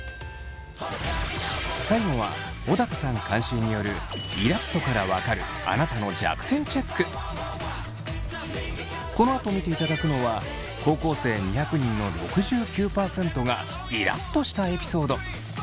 最後は小高さん監修によるこのあと見ていただくのは高校生２００人の６９％がイラっとしたエピソード。